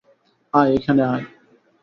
আয়, এইখানে আয়।